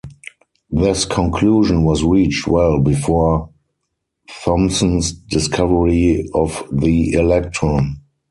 This conclusion was reached well before Thomson's discovery of the electron.